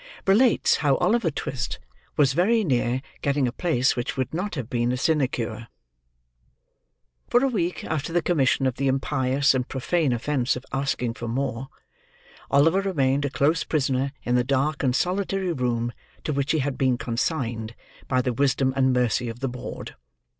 RELATES HOW OLIVER TWIST WAS VERY NEAR GETTING A PLACE WHICH WOULD NOT HAVE BEEN A SINECURE For a week after the commission of the impious and profane offence of asking for more, Oliver remained a close prisoner in the dark and solitary room to which he had been consigned by the wisdom and mercy of the board.